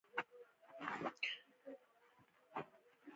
دوی د بیټریو په جوړولو کې مخکښ دي.